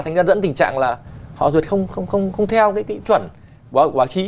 thành ra dẫn tình trạng là họ rồi không theo cái kỹ chuẩn của quả khí